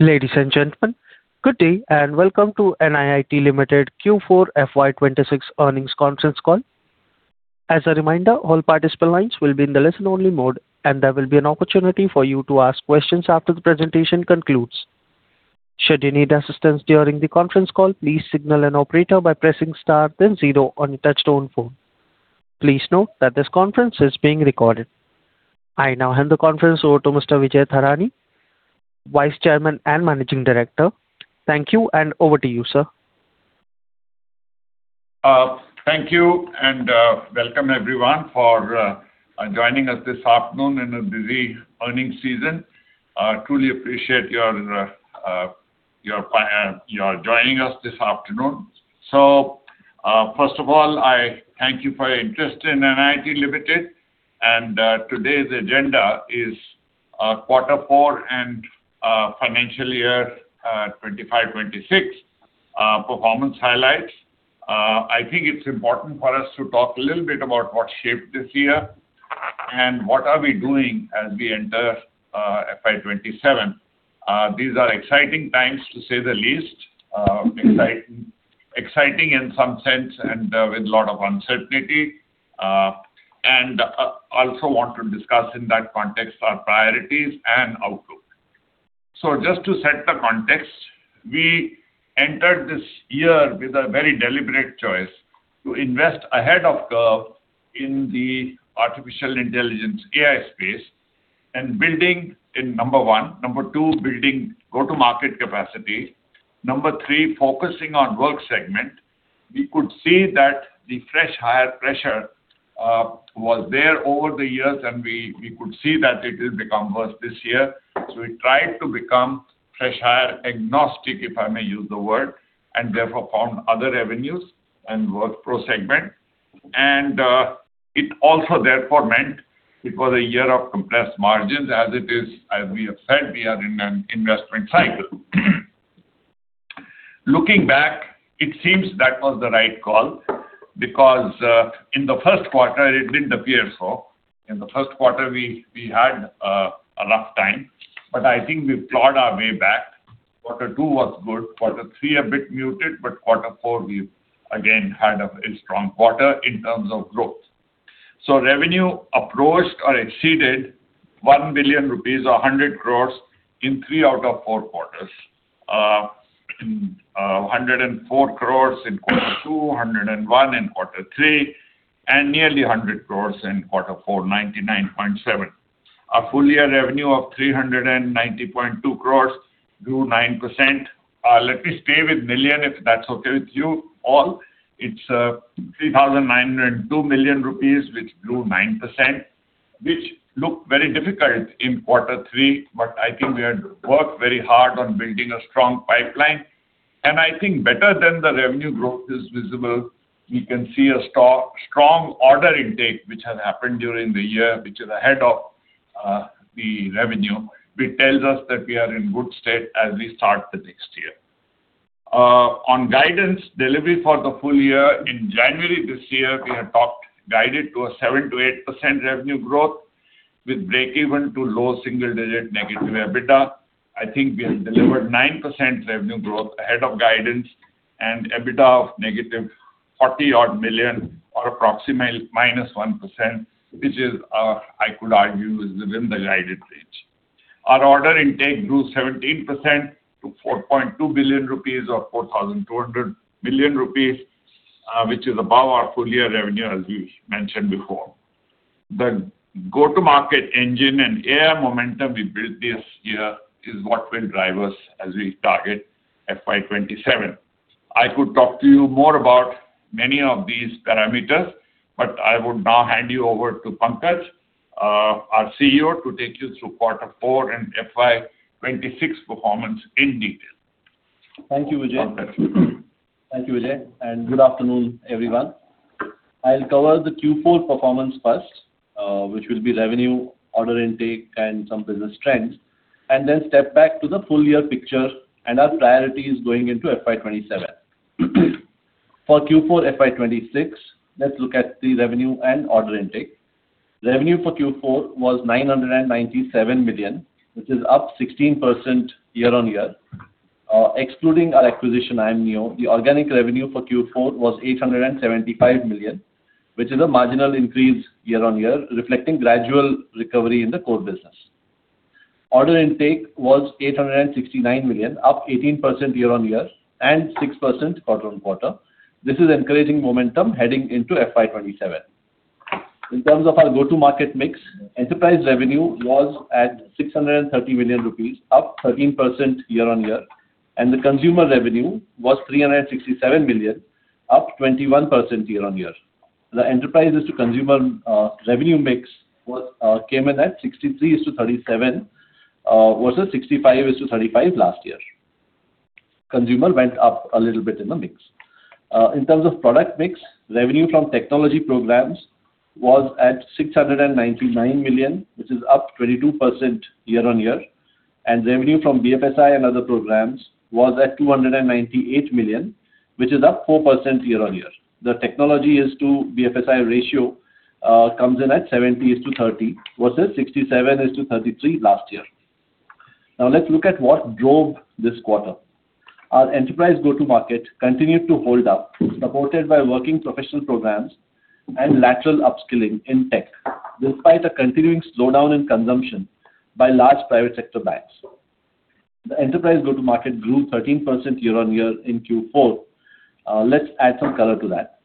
Ladies and gentlemen, good day, and welcome to NIIT Limited Q4 FY 2026 earnings conference call. As a reminder, all participant lines will be in the listen-only mode, and there will be an opportunity for you to ask questions after the presentation concludes. Should you need assistance during the conference call, please signal an operator by pressing star then zero on your touchtone phone. Please note that this conference is being recorded. I now hand the conference over to Mr. Vijay Thadani, Vice Chairman and Managing Director. Thank you, and over to you, sir. Thank you and welcome everyone for joining us this afternoon in a busy earning season. Truly appreciate your joining us this afternoon. First of all, I thank you for your interest in NIIT Limited. Today's agenda is quarter four and financial year 2025/2026 performance highlights. I think it's important for us to talk a little bit about what shaped this year and what are we doing as we enter FY 2027. These are exciting times to say the least, exciting in some sense and with a lot of uncertainty. Also want to discuss in that context our priorities and outlook. Just to set the context, we entered this year with a very deliberate choice to invest ahead of curve in the artificial intelligence, AI space, and building in number one. Number two, building go-to-market capacity. Number three, focusing on work segment. We could see that the fresh hire pressure was there over the years, and we could see that it will become worse this year, so we tried to become fresh hire agnostic, if I may use the word, and therefore found other revenues and work pro segment. It also therefore meant it was a year of compressed margins as it is. As we have said, we are in an investment cycle. Looking back, it seems that was the right call because in the first quarter, it didn't appear so. In the first quarter, we had a rough time, but I think we've plowed our way back. Quarter two was good, quarter three, a bit muted, but quarter four, we again had a strong quarter in terms of growth. Revenue approached or exceeded 1 billion rupees or 100 crore in three out of four quarters. 104 crore in quarter two, 101 crore in quarter three, and nearly 100 crore in quarter four, 99.7 crore. A full-year revenue of 390.2 crore, grew 9%. Let me stay with million, if that's okay with you all. It's 3,902 million rupees, which grew 9%, which looked very difficult in quarter three, but I think we had worked very hard on building a strong pipeline. I think better than the revenue growth is visible, we can see a strong order intake which has happened during the year, which is ahead of the revenue, which tells us that we are in good state as we start the next year. On guidance delivery for the full-year, in January this year, we had guided to a 7%-8% revenue growth with break-even to low single-digit negative EBITDA. I think we have delivered 9% revenue growth ahead of guidance and EBITDA of -40-odd million or approximate -1%, which is, I could argue, is within the guided range. Our order intake grew 17% to 4.2 billion rupees or 4,200 million rupees, which is above our full-year revenue, as we mentioned before. The go-to-market engine and AI momentum we built this year is what will drive us as we target FY 2027. I could talk to you more about many of these parameters, but I would now hand you over to Pankaj, our CEO, to take you through quarter four and FY 2026 performance in detail. Thank you, Vijay. Thank you, Vijay, and good afternoon, everyone. I'll cover the Q4 performance first, which will be revenue, order intake, and some business trends, and then step back to the full-year picture and our priorities going into FY 2027. For Q4 FY 2026, let's look at the revenue and order intake. Revenue for Q4 was 997 million, which is up 16% year-on-year. Excluding our acquisition, iamneo, the organic revenue for Q4 was 875 million, which is a marginal increase year-on-year, reflecting gradual recovery in the core business. Order intake was 869 million, up 18% year-on-year and 6% quarter-on-quarter. This is encouraging momentum heading into FY 2027. In terms of our go-to-market mix, enterprise revenue was at 630 million rupees, up 13% year-on-year. The consumer revenue was 367 million, up 21% year-on-year. The enterprise-to-consumer revenue mix came in at 63:37 versus 65:35 last year. Consumer went up a little bit in the mix. In terms of product mix, revenue from technology programs was at 699 million, which is up 22% year-on-year. Revenue from BFSI and other programs was at 298 million, which is up 4% year-on-year. The technology to BFSI ratio comes in at 70:30 versus 67:33 last year. Let's look at what drove this quarter. Our enterprise go-to-market continued to hold up, supported by working professional programs and lateral upskilling in tech, despite a continuing slowdown in consumption by large private sector banks. The enterprise go-to-market grew 13% year-on-year in Q4. Let's add some color to that.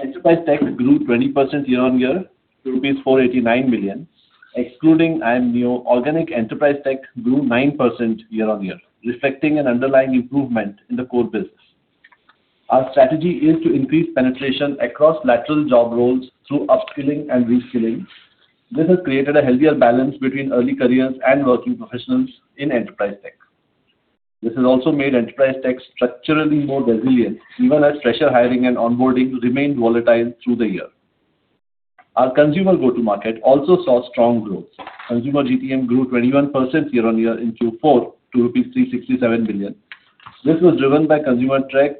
Enterprise tech grew 20% year-on-year to rupees 489 million. Excluding iamneo, organic enterprise tech grew 9% year-on-year, reflecting an underlying improvement in the core business. Our strategy is to increase penetration across lateral job roles through upskilling and reskilling. This has created a healthier balance between early careers and working professionals in enterprise tech. This has also made enterprise tech structurally more resilient even as fresher hiring and onboarding remained volatile through the year. Our consumer go-to-market also saw strong growth. Consumer GTM grew 21% year-on-year in Q4 to rupees 367 million. This was driven by consumer tech,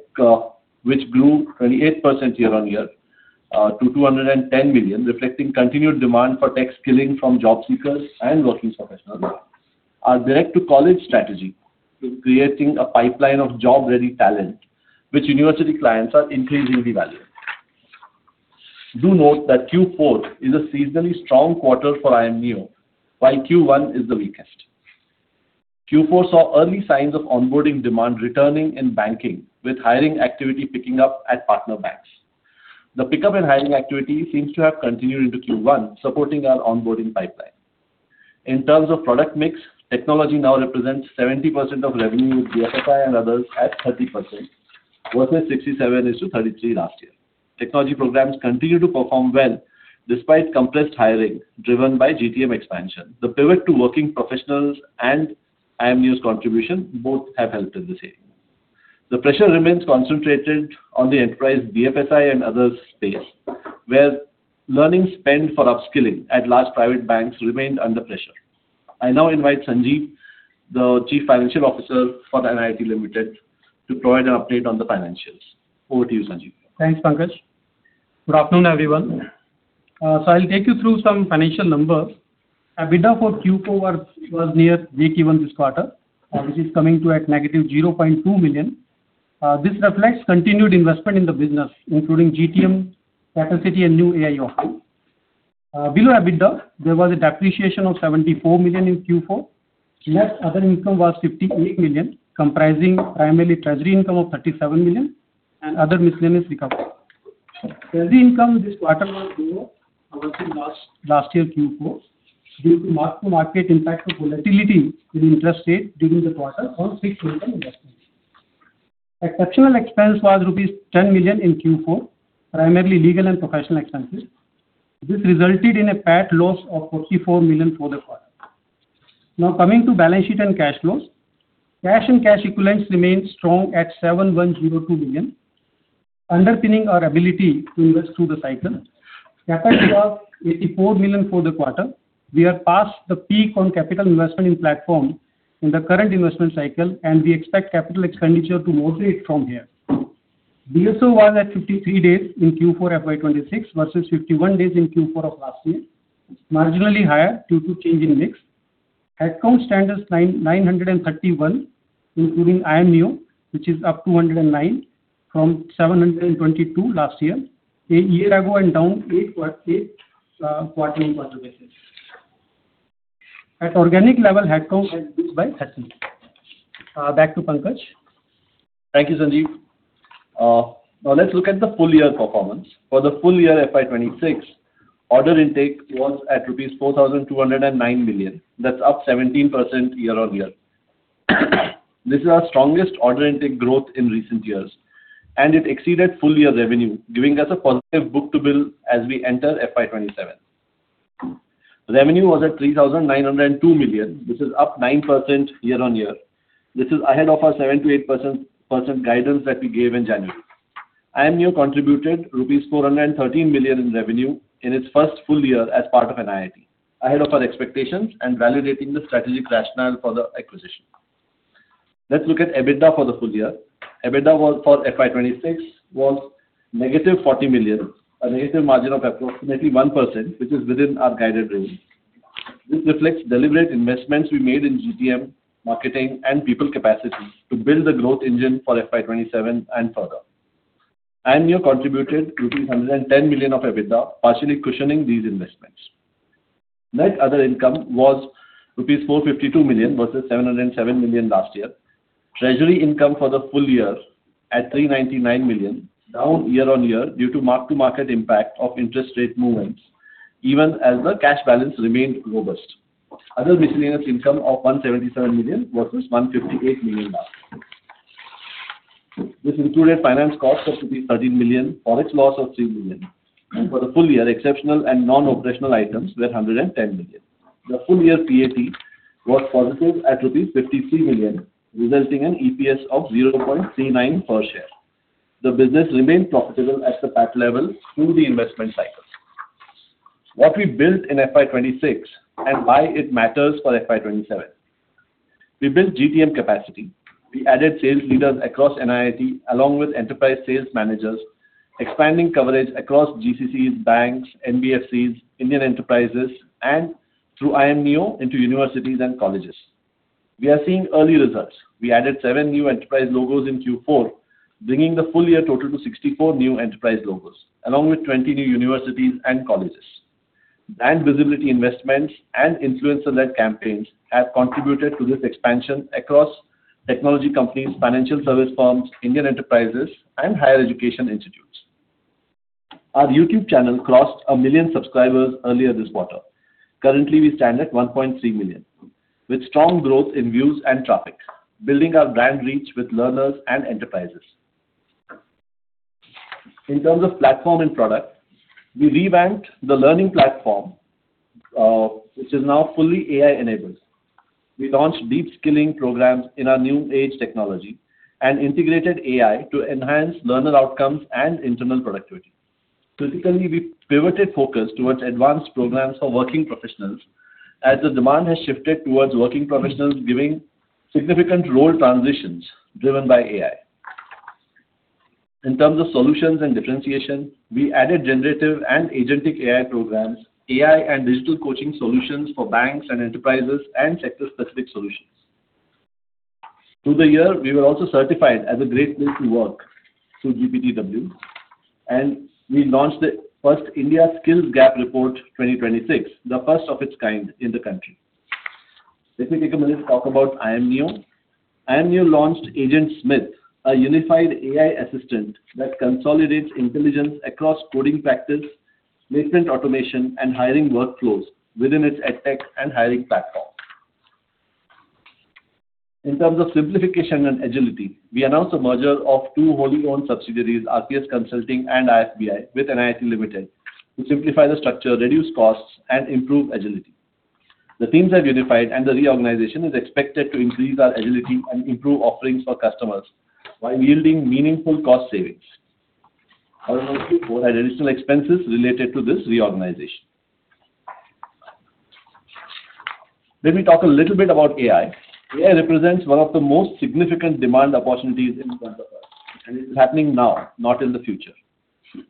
which grew 28% year-on-year, to 210 million, reflecting continued demand for tech skilling from job seekers and working professionals. Our direct-to-college strategy is creating a pipeline of job-ready talent which university clients are increasingly valuing. Do note that Q4 is a seasonally strong quarter for iamneo, while Q1 is the weakest. Q4 saw early signs of onboarding demand returning in banking with hiring activity picking up at partner banks. The pickup in hiring activity seems to have continued into Q1, supporting our onboarding pipeline. In terms of product mix, technology now represents 70% of revenue, with BFSI and others at 30% versus 67:33 last year. Technology programs continue to perform well despite compressed hiring driven by GTM expansion. The pivot to working professionals and iamneo's contribution both have helped in the same. The pressure remains concentrated on the enterprise BFSI and others space, where learning spend for upskilling at large private banks remained under pressure. I now invite Sanjeev, the Chief Financial Officer for the NIIT Limited, to provide an update on the financials. Over to you, Sanjeev. Thanks, Pankaj. Good afternoon, everyone. I'll take you through some financial numbers. EBITDA for Q4 was near break-even this quarter, which is coming to at -0.2 million. This reflects continued investment in the business, including GTM capacity and new AI offering. Below EBITDA, there was a depreciation of 74 million in Q4. Net other income was 58 million, comprising primarily treasury income of 37 million and other miscellaneous recovery. Treasury income this quarter was lower versus last year Q4 due to mark-to-market impact of volatility in interest rates during the quarter on fixed income investments. Exceptional expense was rupees 10 million in Q4, primarily legal and professional expenses. This resulted in a PAT loss of 44 million for the quarter. Coming to balance sheet and cash flows. Cash and cash equivalents remain strong at 7,102 million, underpinning our ability to invest through the cycle. Capital spend was 84 million for the quarter. We are past the peak on capital investment in platform in the current investment cycle, and we expect capital expenditure to moderate from here. DSO was at 53 days in Q4 FY 2026 versus 51 days in Q4 of last year, marginally higher due to change in mix. Headcount stands at 931, including iamneo, which is up 209 from 722 last year, a year ago and down eight quarter-on-quarter basis. At organic level, headcount has decreased by 30. Back to Pankaj. Thank you, Sanjeev. Let's look at the full-year performance. For the full-year FY 2026, order intake was at rupees 4,209 million. That's up 17% year-on-year. This is our strongest order intake growth in recent years, and it exceeded full-year revenue, giving us a positive book-to-bill as we enter FY 2027. Revenue was at 3,902 million. This is up 9% year-on-year. This is ahead of our 7%-8% guidance that we gave in January. iamneo contributed 413 million rupees in revenue in its first full-year as part of NIIT, ahead of our expectations and validating the strategic rationale for the acquisition. Let's look at EBITDA for the full-year. EBITDA for FY 2026 was -40 million, a negative margin of approximately 1%, which is within our guided range. This reflects deliberate investments we made in GTM, marketing, and people capacity to build the growth engine for FY 2027 and further. Iamneo contributed rupees 110 million of EBITDA, partially cushioning these investments. Net other income was rupees 452 million versus 707 million last year. Treasury income for the full-year at 399 million, down year-over-year due to mark-to-market impact of interest rate movements, even as the cash balance remained robust. Other miscellaneous income of 177 million versus 158 million last year. This included finance costs of 13 million, FOREX loss of 3 million. For the full-year, exceptional and non-operational items were 110 million. The full-year PAT was positive at rupees 53 million, resulting in EPS of 0.39 per share. The business remained profitable at the PAT level through the investment cycle. What we built in FY 2026 and why it matters for FY 2027. We built GTM capacity. We added sales leaders across NIIT along with enterprise sales managers, expanding coverage across GCCs, banks, NBFCs, Indian enterprises, and through iamneo into universities and colleges. We are seeing early results. We added seven new enterprise logos in Q4, bringing the full-year total to 64 new enterprise logos, along with 20 new universities and colleges. Brand visibility investments and influencer-led campaigns have contributed to this expansion across technology companies, financial service firms, Indian enterprises, and higher education institutes. Our YouTube channel crossed 1 million subscribers earlier this quarter. Currently, we stand at 1.3 million, with strong growth in views and traffic, building our brand reach with learners and enterprises. In terms of platform and product, we revamped the learning platform, which is now fully AI-enabled. We launched deep skilling programs in our new age technology and integrated AI to enhance learner outcomes and internal productivity. Critically, we pivoted focus towards advanced programs for working professionals as the demand has shifted towards working professionals giving significant role transitions driven by AI. In terms of solutions and differentiation, we added generative AI and agentic AI programs, AI and digital coaching solutions for banks and enterprises, and sector-specific solutions. Through the year, we were also certified as a Great Place to Work through GPTW, and we launched the first India Skills Gap Report 2026, the first of its kind in the country. Let me take a minute to talk about iamneo. Iamneo launched Agent Smith, a unified AI assistant that consolidates intelligence across coding practice, maintenance automation, and hiring workflows within its edtech and hiring platform. In terms of simplification and agility, we announced a merger of two wholly owned subsidiaries, RPS Consulting and IFBI, with NIIT Limited, to simplify the structure, reduce costs, and improve agility. The teams have unified, and the reorganization is expected to increase our agility and improve offerings for customers while yielding meaningful cost savings. Our Q4 had additional expenses related to this reorganization. Let me talk a little bit about AI. AI represents one of the most significant demand opportunities in front of us, and it is happening now, not in the future.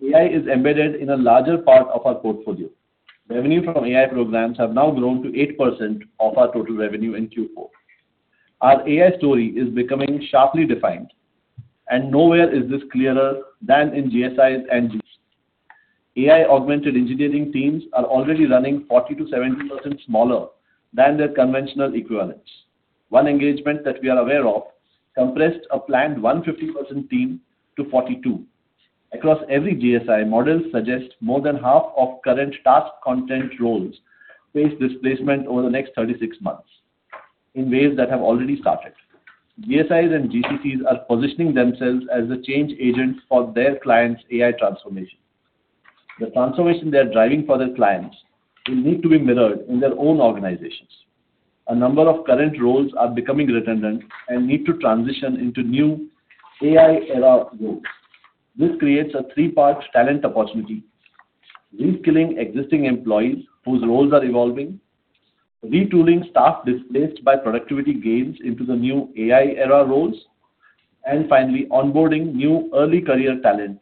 AI is embedded in a larger part of our portfolio. Revenue from AI programs have now grown to 8% of our total revenue in Q4. Our AI story is becoming sharply defined, and nowhere is this clearer than in GSIs and GCCs. AI-augmented engineering teams are already running 40%-70% smaller than their conventional equivalents. One engagement that we are aware of compressed a planned 150-person team to 42. Across every GSI, models suggest more than half of current task content roles face displacement over the next 36 months in ways that have already started. GSIs and GCCs are positioning themselves as the change agents for their clients' AI transformation. The transformation they are driving for their clients will need to be mirrored in their own organizations. A number of current roles are becoming redundant and need to transition into new AI era roles. This creates a three part talent opportunity: reskilling existing employees whose roles are evolving, retooling staff displaced by productivity gains into the new AI era roles, and finally, onboarding new early career talent,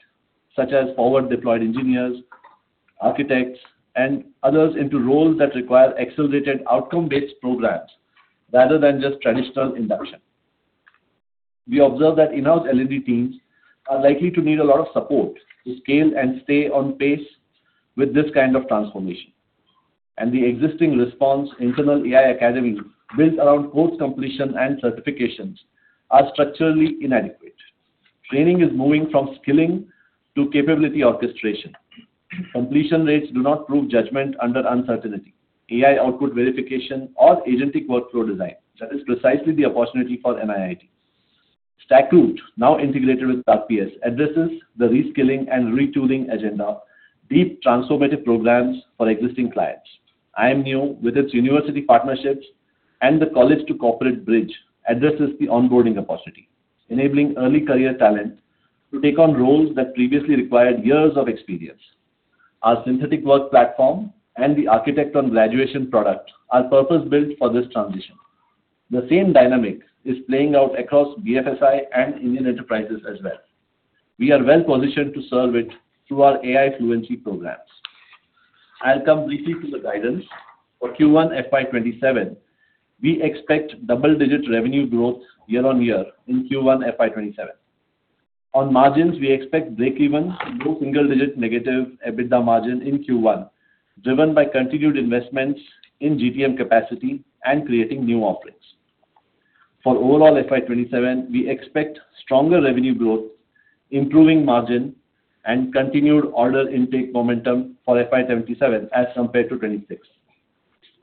such as forward deployed engineers, architects, and others into roles that require accelerated outcome-based programs rather than just traditional induction. We observe that in-house L&D teams are likely to need a lot of support to scale and stay on pace with this kind of transformation. The existing response internal AI academy built around course completion and certifications are structurally inadequate. Training is moving from skilling to capability orchestration. Completion rates do not prove judgment under uncertainty, AI output verification, or agentic workflow design. That is precisely the opportunity for NIIT. StackRoute, now integrated with RPS, addresses the reskilling and retooling agenda, deep transformative programs for existing clients. iamneo, with its university partnerships and the college to corporate bridge, addresses the onboarding opportunity, enabling early career talent to take on roles that previously required years of experience. Our synthetic work platform and the architect on graduation product are purpose-built for this transition. The same dynamic is playing out across BFSI and Indian enterprises as well. We are well-positioned to serve it through our AI fluency programs. I'll come briefly to the guidance. For Q1 FY 2027, we expect double-digit revenue growth year-on-year in Q1 FY 2027. On margins, we expect breakeven to low-single-digit negative EBITDA margin in Q1, driven by continued investments in GTM capacity and creating new offerings. For overall FY 2027, we expect stronger revenue growth, improving margin, and continued order intake momentum for FY 2027 as compared to 2026.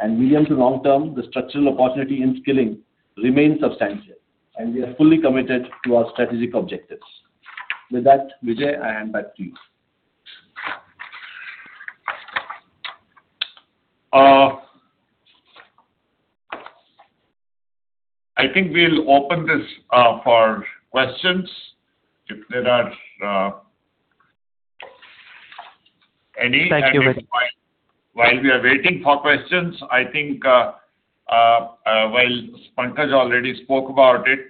Medium to long term, the structural opportunity in skilling remains substantial, and we are fully committed to our strategic objectives. With that, Vijay, I am back to you. I think we'll open this for questions if there are. Thank you very-. While we are waiting for questions, I think, while Pankaj already spoke about it,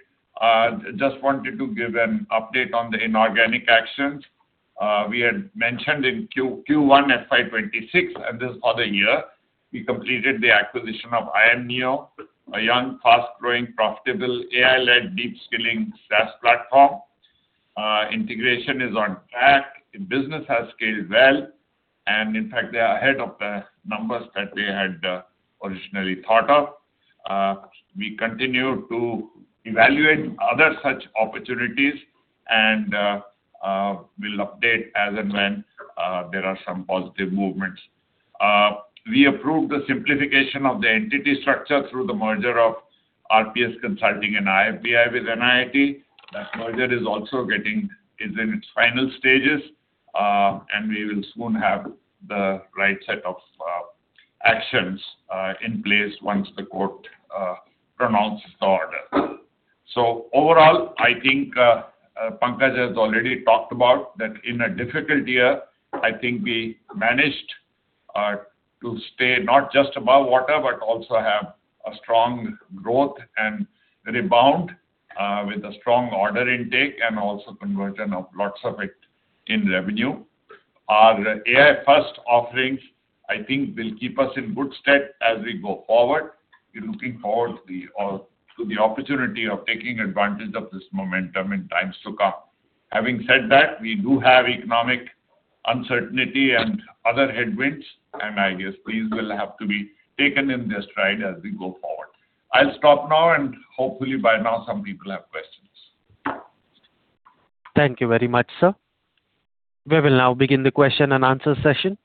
just wanted to give an update on the inorganic actions. We had mentioned in Q1 FY 2026 and this other year, we completed the acquisition of iamneo, a young, fast-growing, profitable AI-led deep skilling SaaS platform. Integration is on track. The business has scaled well, and in fact, they are ahead of the numbers that they had originally thought of. We continue to evaluate other such opportunities and we'll update as and when there are some positive movements. We approved the simplification of the entity structure through the merger of RPS Consulting and IFBI with NIIT. That merger is in its final stages, and we will soon have the right set of actions in place once the court pronounces the order. Overall, I think Pankaj has already talked about that in a difficult year, I think we managed to stay not just above water, but also have a strong growth and rebound with a strong order intake and also conversion of lots of it in revenue. Our AI first offerings, I think will keep us in good stead as we go forward. We're looking forward to the opportunity of taking advantage of this momentum in times to come. Having said that, we do have economic uncertainty and other headwinds, and I guess these will have to be taken in their stride as we go forward. I'll stop now, and hopefully by now some people have questions. Thank you very much, sir. We will now begin the question-and-answer session.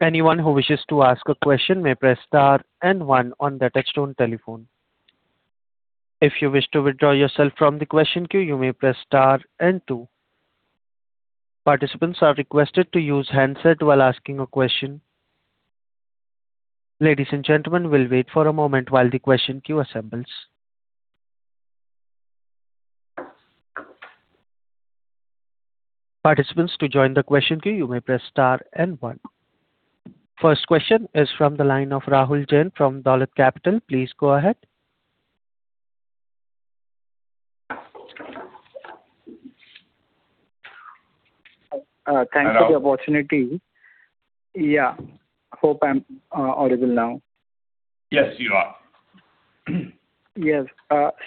Anyone who wishes to ask a question may press star and one on their touch-tone telephone. If you wish to withdraw yourself from the question queue, you may press star and two. Participants are requested to use handset while asking a question. Ladies and gentlemen, we will wait for a moment while the question queue assembles. Participants, to join the question queue, you may press star and one. First question is from the line of Rahul Jain from Dolat Capital. Please go ahead. Thank you for the opportunity. Hello. Yeah. Hope I'm audible now. Yes, you are. Yes.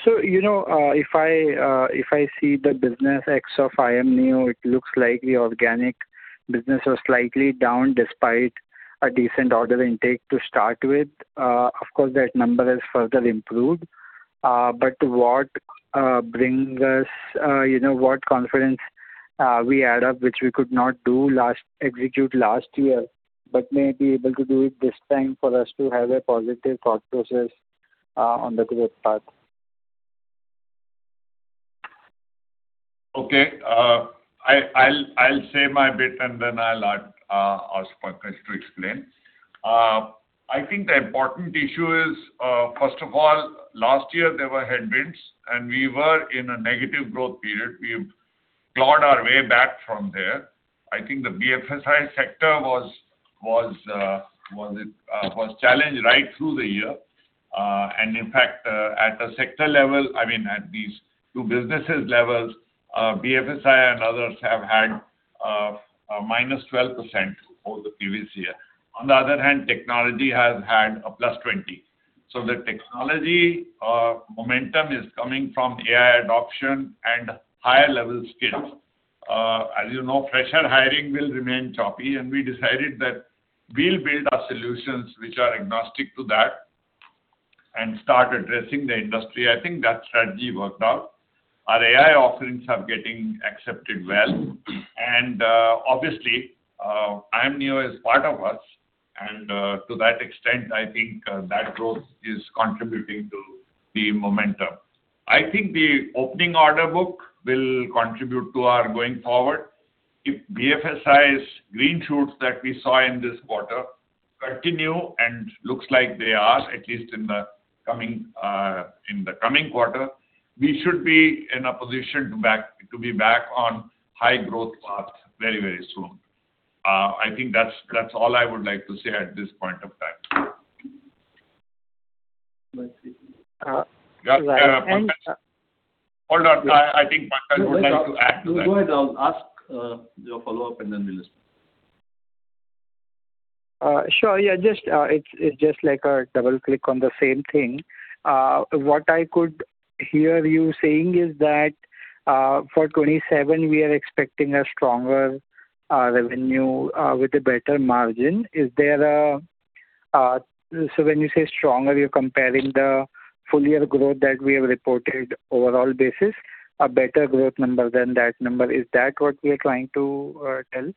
You know, if I see the business X of iamneo, it looks like the organic business was slightly down despite a decent order intake to start with. Of course, that number has further improved. What brings us, you know, what confidence we add up, which we could not execute last year, but may be able to do it this time for us to have a positive thought process on the growth path? Okay. I'll say my bit and then I'll ask Pankaj to explain. I think the important issue is, first of all, last year there were headwinds. We were in a negative growth period. We've clawed our way back from there. I think the BFSI sector was challenged right through the year. In fact, at a sector level, I mean, at these two businesses levels, BFSI and others have had a -12% over the previous year. On the other hand, technology has had a +20%. The technology momentum is coming from AI adoption and higher-level skills. As you know, fresh hire hiring will remain choppy. We decided that we'll build our solutions which are agnostic to that and start addressing the industry. I think that strategy worked out. Our AI offerings are getting accepted well. Obviously, iamneo is part of us, and to that extent, I think that growth is contributing to the momentum. I think the opening order book will contribute to our going forward. If BFSI green shoots that we saw in this quarter continue, and looks like they are, at least in the coming, in the coming quarter, we should be in a position to be back on high growth path very, very soon. I think that's all I would like to say at this point of time. Let's see. Yeah. Pankaj. Hold on. I think Pankaj would like to add to that. No, go ahead. Go ahead. I'll ask your follow-up, and then we'll listen. Sure. Yeah. Just, it's just like a double-click on the same thing. What I could hear you saying is that, for 2027 we are expecting a stronger revenue with a better margin. When you say stronger, you're comparing the full-year growth that we have reported overall basis, a better growth number than that number. Is that what we are trying to tell?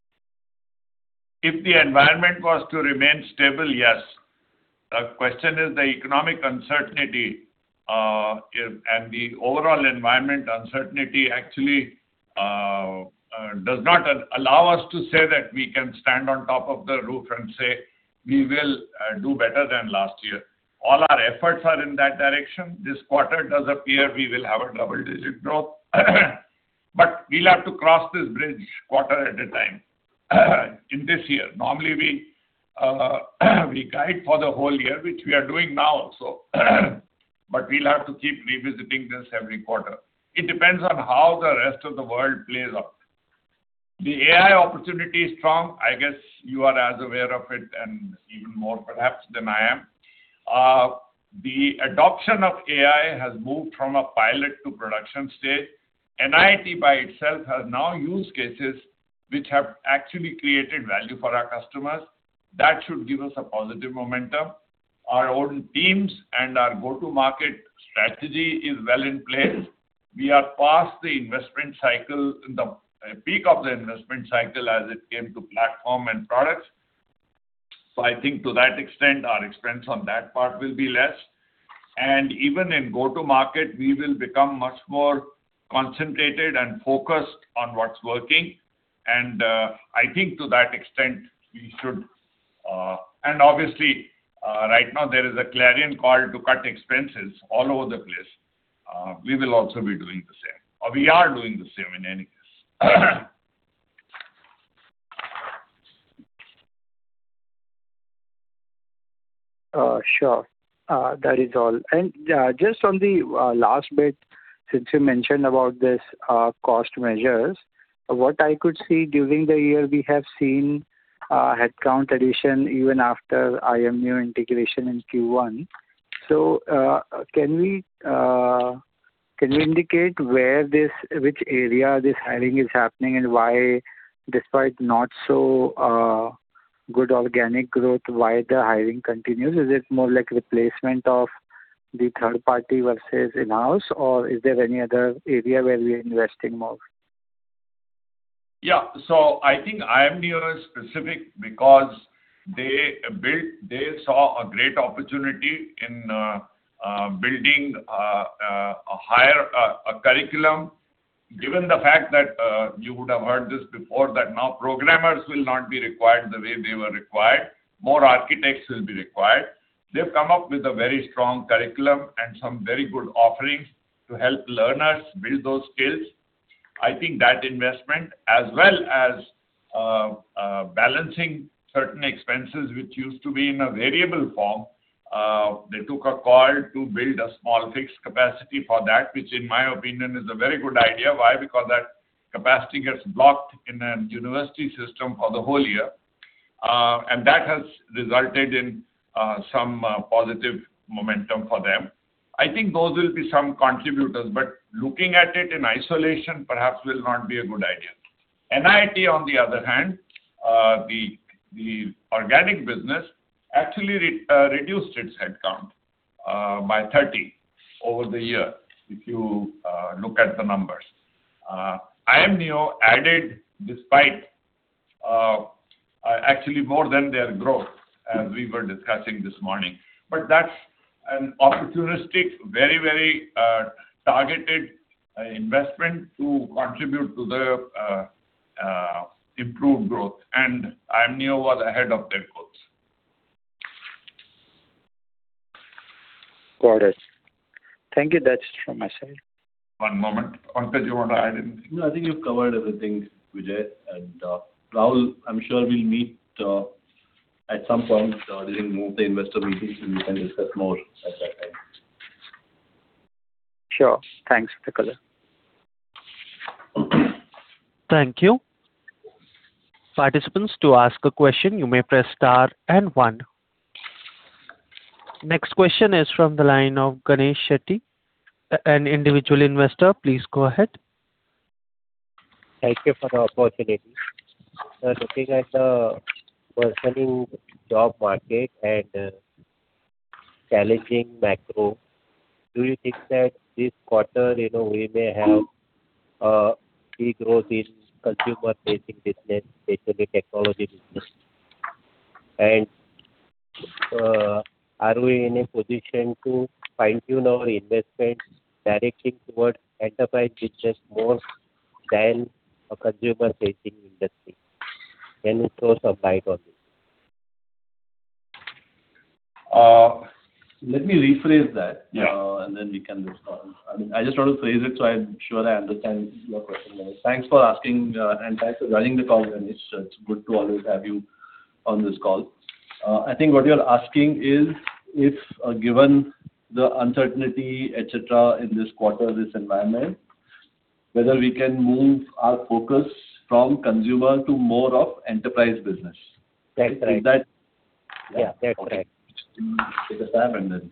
If the environment was to remain stable, yes. The question is the economic uncertainty is and the overall environment uncertainty actually does not allow us to say that we can stand on top of the roof and say, we will do better than last year. All our efforts are in that direction. This quarter does appear we will have a double-digit growth. We'll have to cross this bridge quarter at a time in this year. Normally, we guide for the whole year, which we are doing now also, but we'll have to keep revisiting this every quarter. It depends on how the rest of the world plays out. The AI opportunity is strong. I guess you are as aware of it and even more perhaps than I am. The adoption of AI has moved from a pilot to production state. NIIT by itself has now use cases which have actually created value for our customers. That should give us a positive momentum. Our own teams and our go-to-market strategy is well in place. We are past the investment cycle, in the peak of the investment cycle as it came to platform and products. I think to that extent, our expense on that part will be less. Even in go-to-market, we will become much more concentrated and focused on what's working. I think to that extent, we should. Obviously, right now there is a clarion call to cut expenses all over the place. We will also be doing the same, or we are doing the same in any case. Sure. That is all. Just on the last bit, since you mentioned about this cost measures, what I could see during the year, we have seen headcount addition even after iamneo integration in Q1. Can we, can you indicate where this which area this hiring is happening and why, despite not so good organic growth, why the hiring continues? Is it more like replacement of the third party versus in-house, or is there any other area where we're investing more? Yeah. I think iamneo is specific because they saw a great opportunity in building a higher curriculum, given the fact that you would have heard this before, that now programmers will not be required the way they were required. More architects will be required. They've come up with a very strong curriculum and some very good offerings to help learners build those skills. I think that investment, as well as balancing certain expenses which used to be in a variable form, they took a call to build a small fixed capacity for that, which in my opinion is a very good idea. Why? Because that capacity gets blocked in a university system for the whole year. That has resulted in some positive momentum for them. I think those will be some contributors, but looking at it in isolation perhaps will not be a good idea. NIIT, on the other hand, the organic business actually reduced its headcount by 30 over the year, if you look at the numbers. Iamneo added despite actually more than their growth, as we were discussing this morning. That's an opportunistic, very, very targeted investment to contribute to their improved growth. Iamneo was ahead of their goals. Got it. Thank you. That's from my side. One moment. Pankaj, you want to add anything? No, I think you've covered everything, Vijay. Rahul, I'm sure we'll meet at some point during more of the investor meetings, and we can discuss more at that time. Sure. Thanks, Pankaj. Thank you. Participants, to ask a question, you may press star and one. Next question is from the line of Ganesh Shetty, an individual investor. Please go ahead. Thank you for the opportunity. Looking at the worsening job market and challenging macro, do you think that this quarter, you know, we may have key growth in consumer-facing business, especially technology business? Are we in a position to fine-tune our investments directly toward enterprise business more than a consumer-facing industry? Can you throw some light on this? Let me rephrase that. Yeah. Then we can respond. I mean, I just want to phrase it so I am sure I understand your question, Ganesh. Thanks for asking. Thanks for joining the call, Ganesh. It's good to always have you on this call. I think what you are asking is if, given the uncertainty, et cetera, in this quarter, this environment, whether we can move our focus from consumer to more of enterprise business. That's right. Is that- Yeah, that's right. Okay. Take your time and then.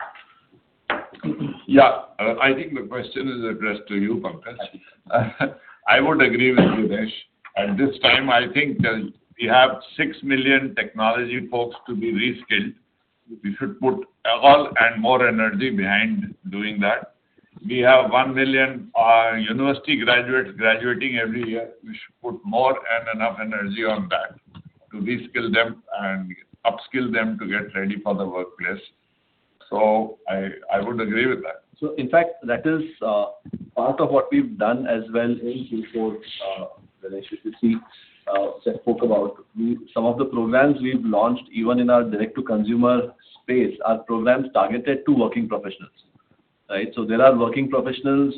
I think the question is addressed to you, Pankaj. I would agree with you, Ganesh. At this time, I think, we have 6 million technology folks to be reskilled. We should put all and more energy behind doing that. We have 1 million university graduates graduating every year. We should put more and enough energy on that to reskill them and upskill them to get ready for the workplace. I would agree with that. In fact, that is part of what we've done as well in Q4. When I should see, Sapnesh spoke about some of the programs we've launched even in our direct-to-consumer space are programs targeted to working professionals, right? A lot of working professionals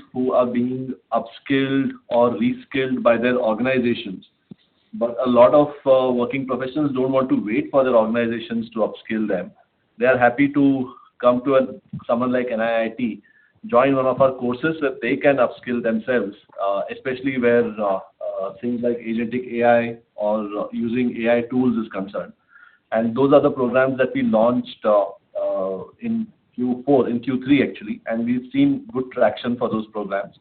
don't want to wait for their organizations to upskill them. They are happy to come to someone like an NIIT, join one of our courses where they can upskill themselves, especially where things like agentic AI or using AI tools is concerned. Those are the programs that we launched in Q4, in Q3 actually, and we've seen good traction for those programs.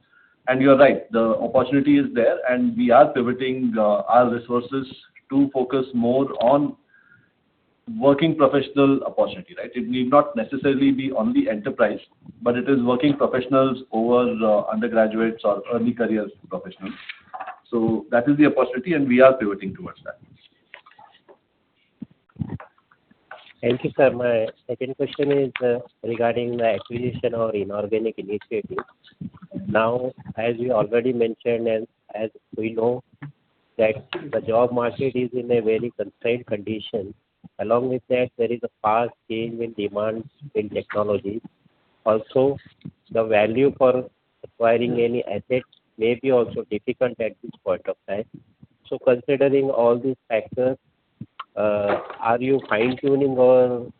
You're right, the opportunity is there, and we are pivoting, our resources to focus more on working professional opportunity, right? It need not necessarily be only enterprise, but it is working professionals over, undergraduates or early careers professionals. That is the opportunity, and we are pivoting towards that. Thank you, sir. My second question is regarding the acquisition or inorganic initiatives. As you already mentioned, and as we know that the job market is in a very constrained condition. Along with that, there is a fast change in demand in technology. The value for acquiring any assets may be also difficult at this point of time. Considering all these factors, are you fine-tuning your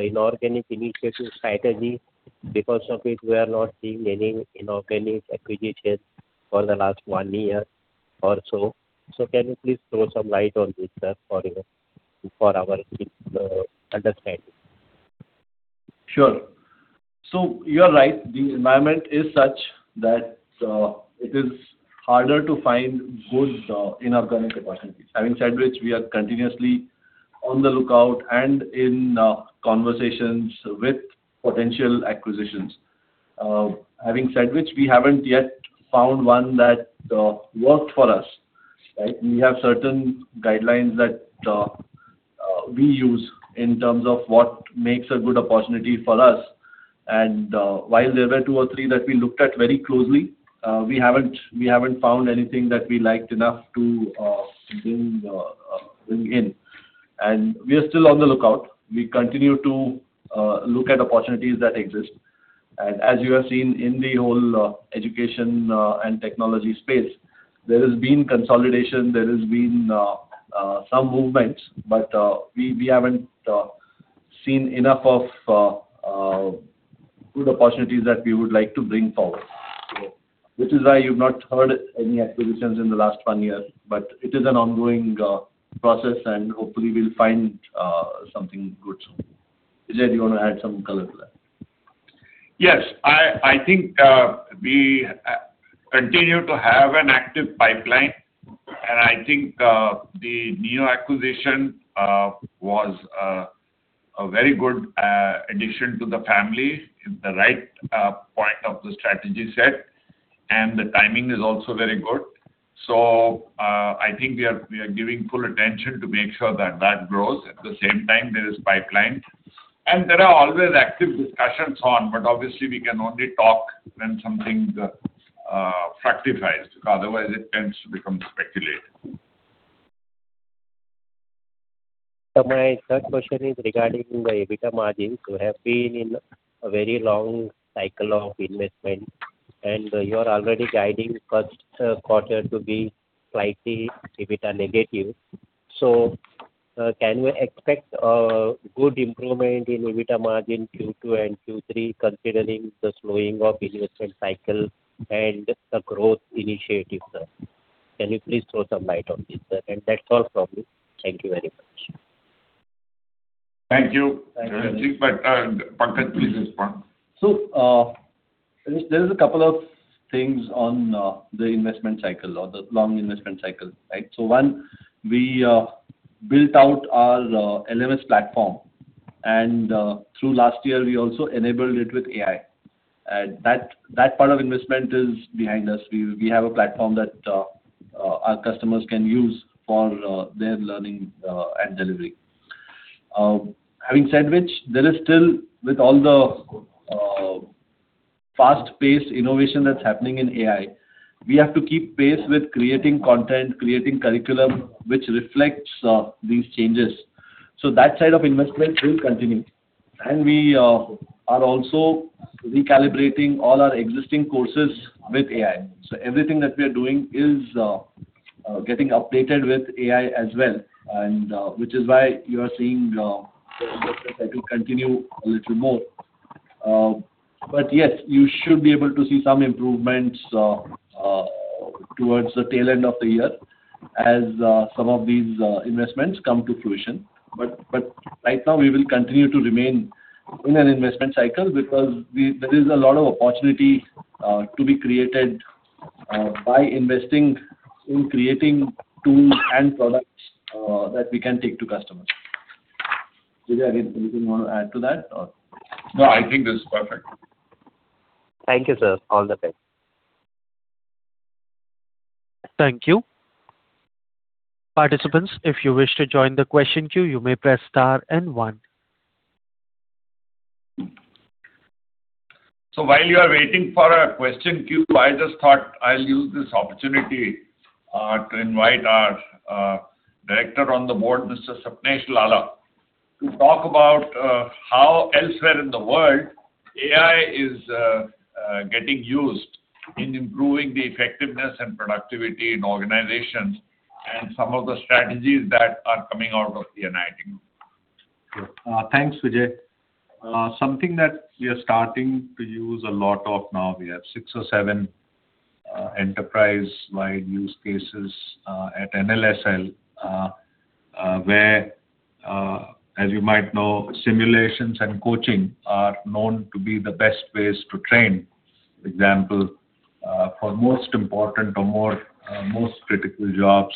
inorganic initiative strategy? Because of it, we are not seeing any inorganic acquisitions for the last one year or so. Can you please throw some light on this, sir, for our team's understanding? Sure. You're right. The environment is such that it is harder to find good inorganic opportunities. Having said which, we are continuously on the lookout and in conversations with potential acquisitions. Having said which, we haven't yet found one that worked for us, right? We have certain guidelines that we use in terms of what makes a good opportunity for us. While there were two or three that we looked at very closely, we haven't found anything that we liked enough to bring in. We are still on the lookout. We continue to look at opportunities that exist. As you have seen in the whole, education, and technology space, there has been consolidation, there has been, some movement, but, we haven't, seen enough of, good opportunities that we would like to bring forward. So this is why you've not heard any acquisitions in the last one year. But it is an ongoing, process, and hopefully we'll find, something good soon. Vijay, do you wanna add some color to that? Yes. I think we continue to have an active pipeline, and I think the NEO acquisition was a very good addition to the family in the right point of the strategy set, and the timing is also very good. I think we are giving full attention to make sure that grows. At the same time, there is pipeline. There are always active discussions on, but obviously we can only talk when something fructifies. Otherwise, it tends to become speculative. My third question is regarding the EBITDA margins. You have been in a very long cycle of investment, and you are already guiding first quarter to be slightly EBITDA negative. Can we expect a good improvement in EBITDA margin Q2 and Q3 considering the slowing of investment cycle and the growth initiatives, sir? Can you please throw some light on this, sir? That's all from me. Thank you very much. Thank you. Thank you. I think, Pankaj, please respond. There's a couple of things on the investment cycle or the long investment cycle, right. One, we built out our LMS platform, through last year, we also enabled it with AI. That part of investment is behind us. We have a platform that our customers can use for their learning and delivery. Having said which, there is still, with all the fast-paced innovation that's happening in AI, we have to keep pace with creating content, creating curriculum which reflects these changes. That side of investment will continue. We are also recalibrating all our existing courses with AI. Everything that we are doing is getting updated with AI as well, which is why you are seeing the investment that will continue a little more. Yes, you should be able to see some improvements towards the tail end of the year as some of these investments come to fruition. Right now we will continue to remain in an investment cycle because there is a lot of opportunity to be created by investing in creating tools and products that we can take to customers. Vijay, anything you wanna add to that or? No, I think this is perfect. Thank you, sir. All the best. Thank you. Participants, if you wish to join the question queue, you may press star and one. While you are waiting for a question queue, I just thought I'll use this opportunity to invite our director on the board, Mr. Sapnesh Lalla, to talk about how elsewhere in the world AI is getting used in improving the effectiveness and productivity in organizations and some of the strategies that are coming out of the initiative. Thanks, Vijay. Something that we are starting to use a lot of now, we have six or seven enterprise-wide use cases at NLSL, where, as you might know, simulations and coaching are known to be the best ways to train. For example, for most important or more most critical jobs,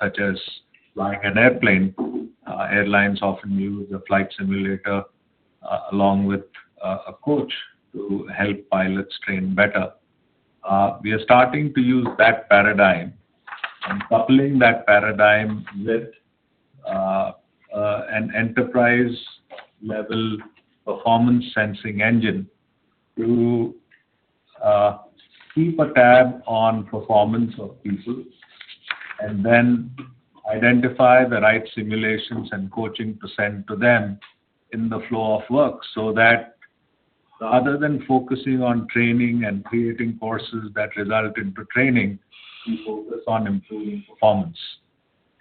such as flying an airplane, airlines often use a flight simulator along with a coach to help pilots train better. We are starting to use that paradigm and coupling that paradigm with an enterprise-level performance sensing engine to keep a tab on performance of people and then identify the right simulations and coaching to send to them in the flow of work so that rather than focusing on training and creating courses that result into training, we focus on improving performance.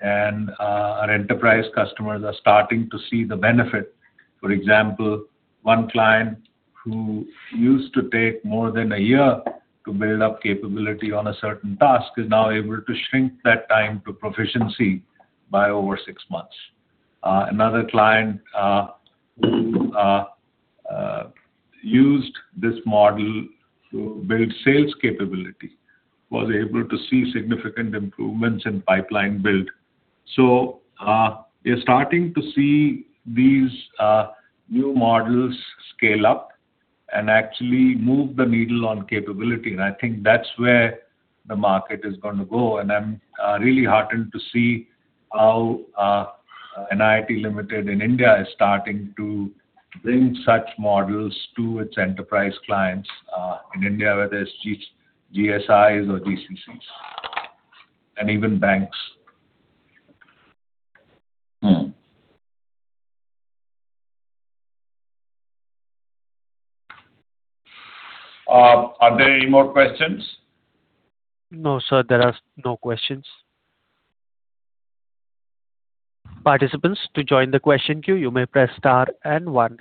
Our enterprise customers are starting to see the benefit. For example, 1 client who used to take more than a year to build up capability on a certain task is now able to shrink that time to proficiency by over six months. Another client who used this model to build sales capability was able to see significant improvements in pipeline build. We're starting to see these new models scale up and actually move the needle on capability. I think that's where the market is gonna go. I'm really heartened to see how NIIT Limited in India is starting to bring such models to its enterprise clients in India, whether it's GSIs or GCCs, and even banks. Are there any more questions? No, sir. There are no questions. Participants, to join the question queue, you may press star and one.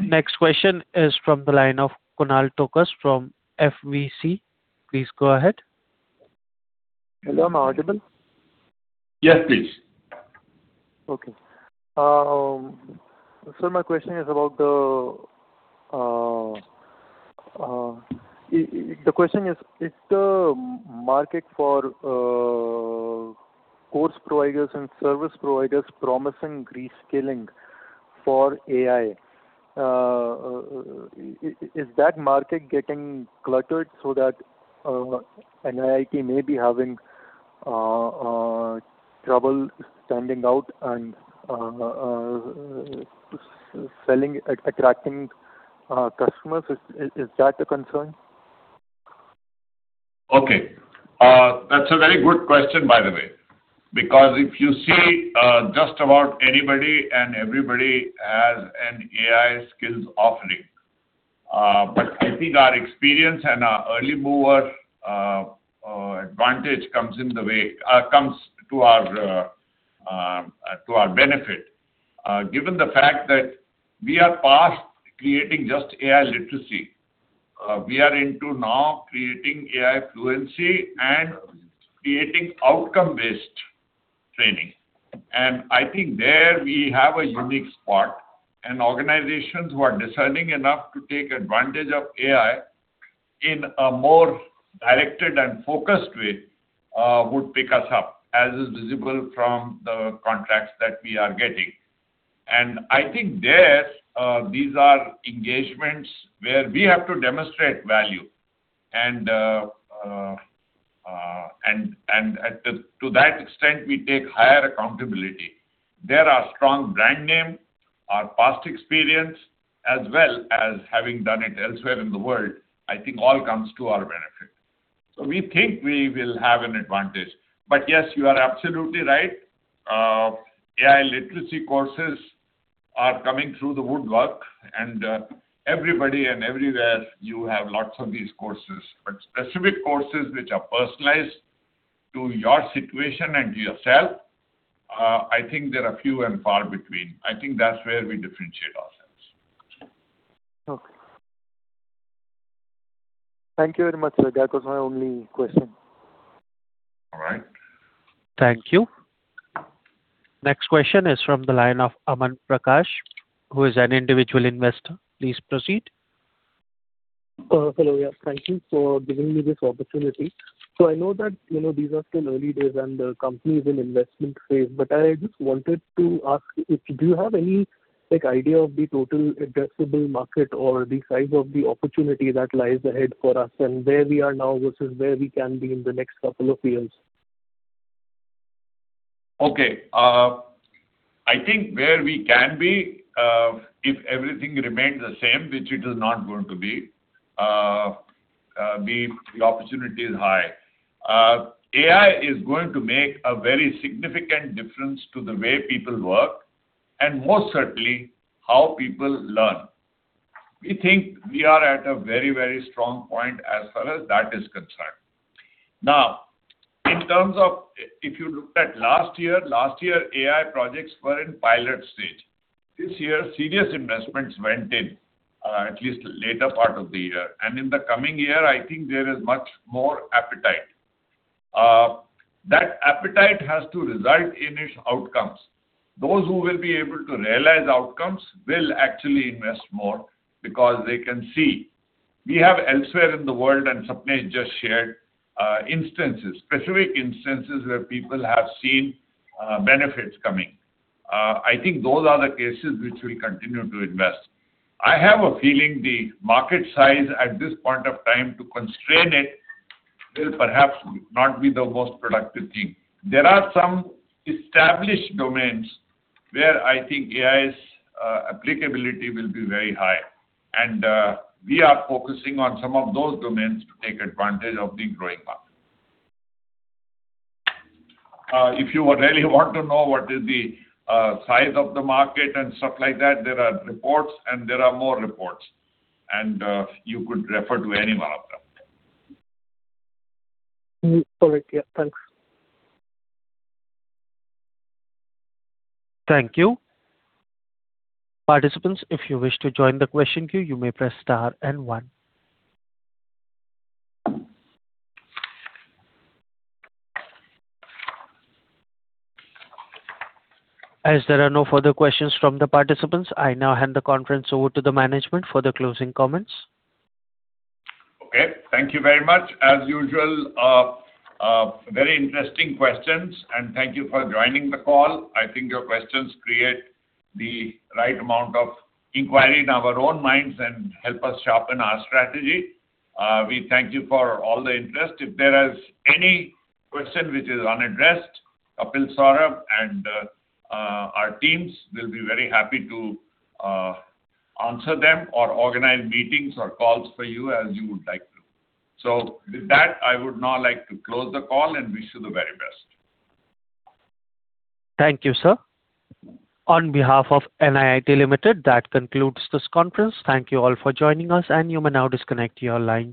Next question is from the line of Kunal Tokas from FVC. Please go ahead. Hello, am I audible? Yes, please. Okay. My question is about the market for course providers and service providers promising reskilling for AI, is that market getting cluttered so that NIIT may be having trouble standing out and attracting customers? Is that a concern? Okay. That's a very good question, by the way. If you see, just about anybody and everybody has an AI skills offering. I think our experience and our early mover advantage comes to our benefit. Given the fact that we are past creating just AI literacy, we are into now creating AI fluency and creating outcome-based training. I think there we have a unique spot. Organizations who are discerning enough to take advantage of AI in a more directed and focused way, would pick us up, as is visible from the contracts that we are getting. I think there, these are engagements where we have to demonstrate value. To that extent, we take higher accountability. There, our strong brand name, our past experience, as well as having done it elsewhere in the world, I think all comes to our benefit. We think we will have an advantage. Yes, you are absolutely right. AI literacy courses are coming through the woodwork. Everybody and everywhere you have lots of these courses. Specific courses which are personalized to your situation and yourself, I think they are few and far between. I think that's where we differentiate ourselves. Okay. Thank you very much, sir. That was my only question. All right. Thank you. Next question is from the line of Aman Prakash, who is an individual investor. Please proceed. Hello. Thank you for giving me this opportunity. I know that, you know, these are still early days and the company is in investment phase, but I just wanted to ask if do you have any, like, idea of the total addressable market or the size of the opportunity that lies ahead for us and where we are now versus where we can be in the next couple of years? Okay. I think where we can be, if everything remains the same, which it is not going to be, the opportunity is high. AI is going to make a very significant difference to the way people work and most certainly how people learn. We think we are at a very, very strong point as far as that is concerned. Now, in terms of if you looked at last year, last year AI projects were in pilot stage. This year, serious investments went in, at least later part of the year. In the coming year, I think there is much more appetite. That appetite has to result in its outcomes. Those who will be able to realize outcomes will actually invest more because they can see. We have elsewhere in the world, and Sapnesh Lalla has just shared instances, specific instances where people have seen benefits coming. I think those are the cases which we continue to invest. I have a feeling the market size at this point of time to constrain it will perhaps not be the most productive thing. There are some established domains where I think AI's applicability will be very high. We are focusing on some of those domains to take advantage of the growing market. If you really want to know what is the size of the market and stuff like that, there are reports and there are more reports, you could refer to any one of them All right. Yeah. Thanks. Thank you. Participants, if you wish to join the question queue, you may press star and one. As there are no further questions from the participants, I now hand the conference over to the management for the closing comments. Okay. Thank you very much. As usual, very interesting questions, and thank you for joining the call. I think your questions create the right amount of inquiry in our own minds and help us sharpen our strategy. We thank you for all the interest. If there is any question which is unaddressed, Kapil Saurabh and our teams will be very happy to answer them or organize meetings or calls for you as you would like to. With that, I would now like to close the call and wish you the very best. Thank you, sir. On behalf of NIIT Limited, that concludes this conference. Thank you all for joining us, and you may now disconnect your line.